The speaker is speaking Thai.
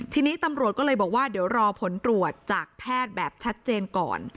ทีนี้ตำรวจก็เลยบอกว่าเดี๋ยวรอผลตรวจจากแพทย์แบบชัดเจนก่อน